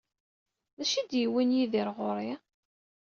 D acu ay d-yewwin Yidir ɣer-i?